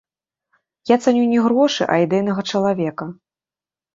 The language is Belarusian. Я цаню не грошы, а ідэйнага чалавека.